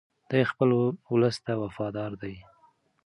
دی خپل ولس ته وفادار دی.